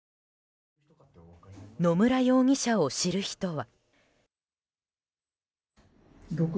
野村容疑者を知る人は。